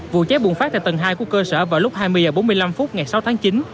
vụ cháy bùng phát tại tầng hai của cơ sở vào lúc hai mươi h bốn mươi năm phút ngày sáu tháng chín